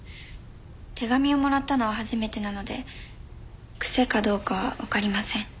手紙をもらったのは初めてなので癖かどうかわかりません。